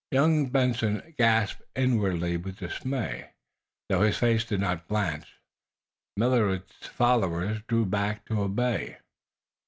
Young Benson gasped inwardly with dismay, though his face did not blanch. Millard's followers drew back to obey.